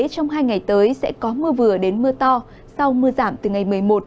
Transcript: trong hai ngày tới sẽ có mưa vừa đến mưa to sau mưa giảm từ ngày một mươi một